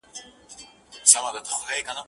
وړې څپې له توپانونو سره لوبي کوي